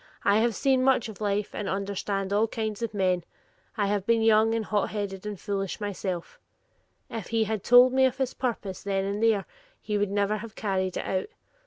I have seen much of life, and understand all kinds of men. I have been young and hot headed and foolish myself,' if he had told me of his purpose then and there, he would never have carried it out.